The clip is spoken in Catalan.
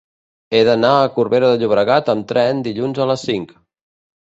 He d'anar a Corbera de Llobregat amb tren dilluns a les cinc.